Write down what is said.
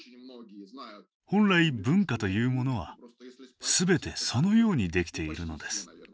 本来文化というものはすべてそのようにできているのです。